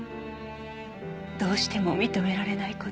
どうしても認められない事。